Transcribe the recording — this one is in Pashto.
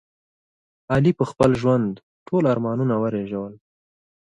علي په خپل ژوند ټول ارمانونه ورېژول.